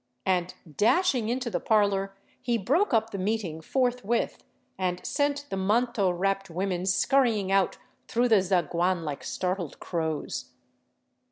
" and dashing into the parlor, he broke up the meeting forthwith, and sent the manto wrapped women scurrying out through the zaguan Hke startled crows.